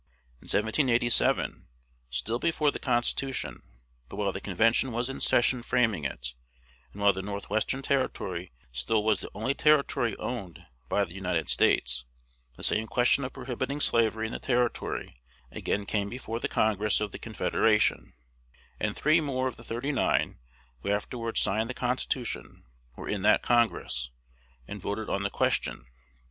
In 1787 still before the Constitution, but while the Convention was in session framing it, and while the North western Territory still was the only Territory owned by the United States the same question of prohibiting slavery in the Territory again came before the Congress of the Confederation; and three more of the "thirty nine" who afterward signed the Constitution were in that Congress, and voted on the question.